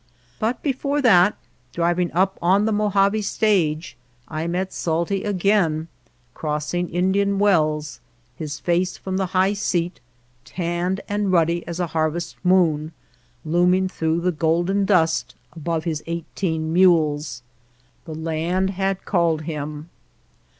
But before that, driving up on the Mojave stage, I met Salty again crossing Indian Wells, his face from the high seat, tanned and ruddy as a harvest moon, loom i8 THE LAND OF LITTLE RAIN ing through the golden dust above his eigh teen mules. The land had called him.